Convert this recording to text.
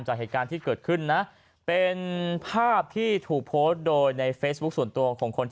จากเหตุการณ์ที่เกิดขึ้นนะเป็นภาพที่ถูกแพสบุ๊คส่วนตัว